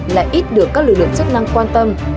lại ít được các lực lượng chức năng quan tâm